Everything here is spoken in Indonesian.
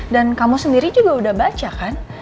dan kamu sendiri juga udah baca kan